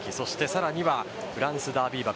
さらにはフランスダービー馬